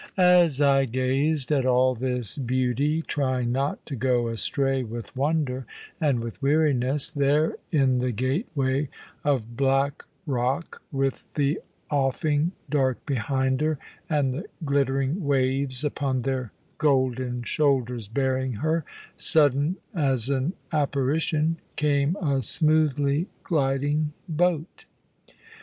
As I gazed at all this beauty, trying not to go astray with wonder and with weariness, there, in the gateway of black rock, with the offing dark behind her, and the glittering waves upon their golden shoulders bearing her sudden as an apparition came a smoothly gliding boat.